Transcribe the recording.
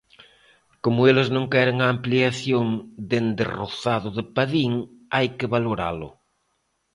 Como eles non queren a ampliación dende Rozado de Padín, hai que valoralo.